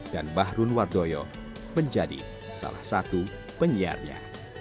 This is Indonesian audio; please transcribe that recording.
dan bahru wardoyo menjadi salah satu penyiarnya